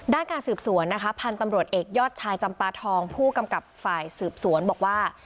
การสืบสวนนะคะพันธุ์ตำรวจเอกยอดชายจำปาทองผู้กำกับฝ่ายสืบสวนบอกว่า